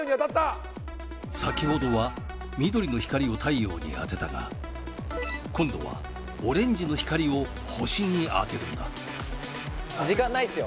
先ほどは緑の光を太陽に当てたが今度はオレンジの光を星に当てるんだ時間ないっすよ